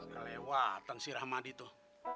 kelewatan si rahmadi tuh